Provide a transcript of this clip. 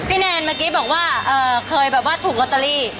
พี่แนนเมื่อกี้บอกว่าเคยถูกกอตเตอรี่